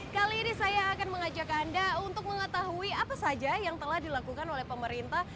kali ini saya akan mengajak anda untuk mengetahui apa saja yang telah dilakukan oleh pemerintah